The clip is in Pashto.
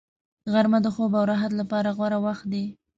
غرمه د خوب او راحت لپاره غوره وخت دی